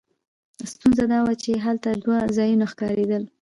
ستونزه دا وه چې هلته دوه ځایونه ښکارېدل.